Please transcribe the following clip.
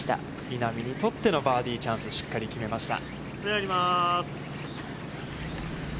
稲見にとってのバーディーチャンス、しっかり決めました。